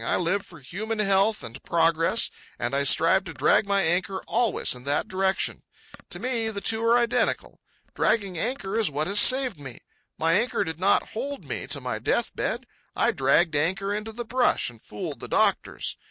I live for human health and progress, and I strive to drag my anchor always in that direction. To me, the two are identical. Dragging anchor is what has saved me. My anchor did not hold me to my death bed. I dragged anchor into the brush and fooled the doctors.